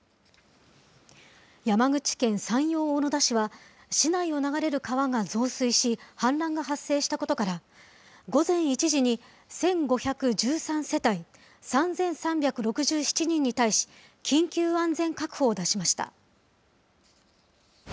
山口県山陽小野田市は、市内を流れる川が増水し、氾濫が発生したことから、午前１時に１５１３世帯３３６７人に対し、緊急安全確保を出しました。